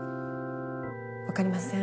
分かりません。